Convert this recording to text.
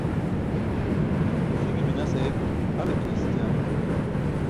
Si̇ṅe minas ayetum hale minas écaana?